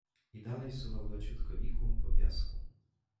I dalej suwał leciutko igłą po piasku.